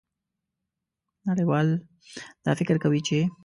نړیوال دا فکر کوي چې